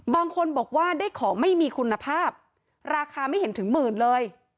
บางคนบอกว่าได้ของไม่มีคุณภาพราคาไม่เห็นถึงหมื่นเลย